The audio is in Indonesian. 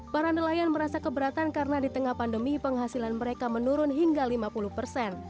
para nelayan merasa keberatan karena di tengah pandemi penghasilan mereka menurun hingga lima puluh persen